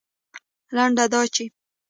لنډه دا چې